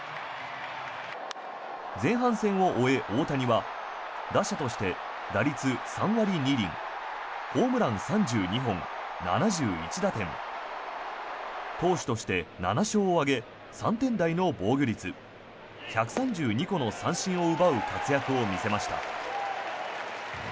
前半戦を終え、大谷は打者として打率３割２厘ホームラン３２本、７１打点投手として７勝を挙げ３点台の防御率１３２個の三振を奪う活躍を見せました。